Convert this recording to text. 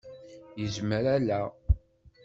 Yezmer ala.